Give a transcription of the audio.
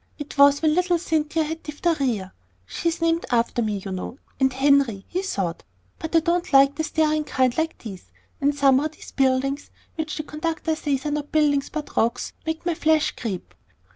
It was when little Cynthia had diphtheria she's named after me, you know, and Henry he thought But I don't like the staring kind like these; and somehow those buildings, which the conductor says are not buildings but rocks, make my flesh creep."